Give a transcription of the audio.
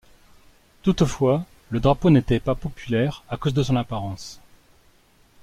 Toutefois, le drapeau n'était pas populaire à cause de son apparence.